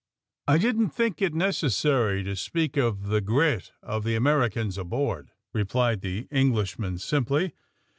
"* '^I didn't think it necessary to speak of the grit of the Americans aboard, '' replied the Eng lishman simply.